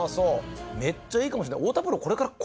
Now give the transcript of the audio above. めっちゃいいかもしれない。